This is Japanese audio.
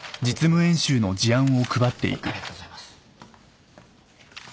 ありがとうございます。